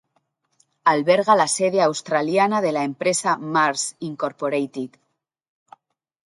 Alberga la sede australiana de la empresa Mars, Incorporated.